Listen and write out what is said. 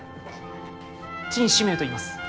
陳志明といいます。